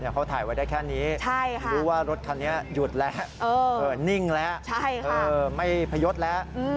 เขาถ่ายไว้ได้แค่นี้รู้ว่ารถคันนี้หยุดแล้วนิ่งแล้วไม่พยศแล้ว